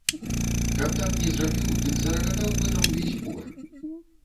Каб так не зрабіў, дык зарагатаў бы на ўвесь бор.